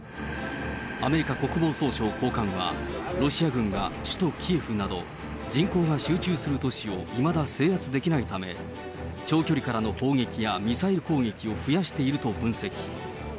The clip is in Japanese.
アメリカ国防総省高官は、ロシア軍が首都キエフなど、人口が集中する都市をいまだ制圧できないため、長距離からの砲撃や、ミサイル攻撃を増やしていると分析。